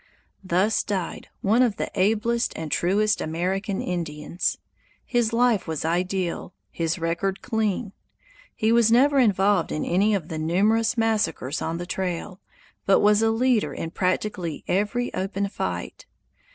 Thus died one of the ablest and truest American Indians. His life was ideal; his record clean. He was never involved in any of the numerous massacres on the trail, but was a leader in practically every open fight.